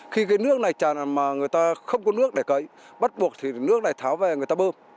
khi cái nước này tràn mà người ta không có nước để cấy bắt buộc thì nước lại tháo về người ta bơm